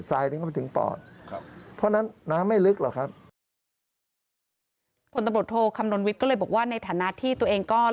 ทรายดินเข้าไปถึงปอด